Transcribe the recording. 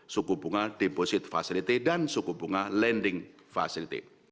suku bunga deposit facility dan suku bunga lending facility